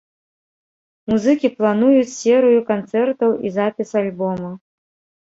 Музыкі плануюць серыю канцэртаў і запіс альбома.